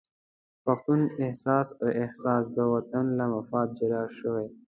د پښتون اساس او احساس د وطن له مفاد جلا شوی.